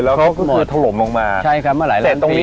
เขาก็คือถล่มลงมาใช่ครับมาหลายหลานพีคค์แล้วเขาก็คือถล่มลงมา